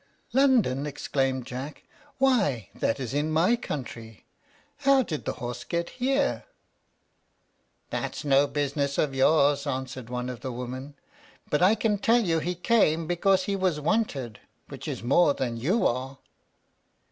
"London!" exclaimed Jack; "why that is in my country. How did the horse get here?" "That's no business of yours," answered one of the women. "But I can tell you he came because he was wanted, which is more than you are."